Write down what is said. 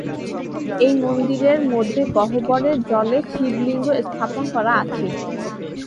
এই মন্দিরের মধ্যে গহ্বরের জলে শিবলিঙ্গ স্থাপন করা আছে।